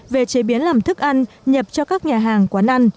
về chế biến làm thức ăn nhập cho các nhà hàng quán ăn